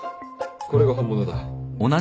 これが本物だ。